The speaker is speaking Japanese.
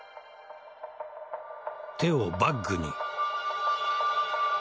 手をバッグに。